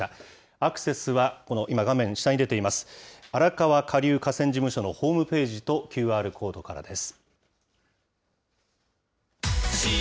アクセスは、この今画面下に出ています、荒川下流河川事務所のホームページとＱＲコードからです。